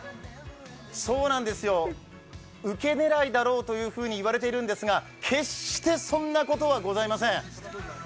そうなんですよ、ウケ狙いだろうというふうにいわれてるんですが決してそんなことはございません。